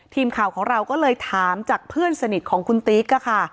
ทีมข่าวของเราก็เลยถามจากเพื่อนสนิทของคุณติ๊กค่ะ